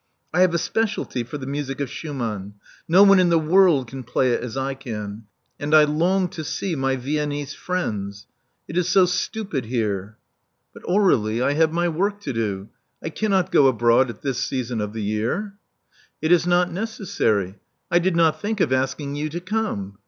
I have a specialty for the music of Schumann : no one in the world can play it as I 'can. And I long to see my Viennese friends. It is so stupid here, " 332 Love Among the Artists But, Aur^lie, I have my work to do. I cannot go abroad at this season of the year." It is not necessary. I did not think of asking you to come.